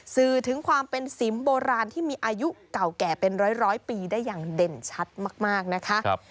สื่อถึงความเป็นสิมโบราณที่มีอายุเก่าแก่เป็นร้อยปีได้อย่างเด่นชัดมากนะคะ